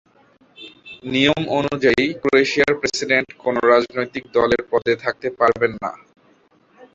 নিয়ম অনুযায়ী ক্রোয়েশিয়ার প্রেসিডেন্ট কোন রাজনৈতিক দলের পদে থাকতে পারবেন না।